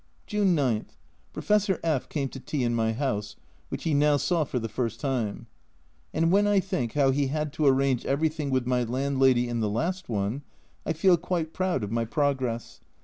June 9. Professor F came to tea in my house, which he now saw for the first time and when I think how he had to arrange everything with my landlady in the last one, I feel quite proud of my progress.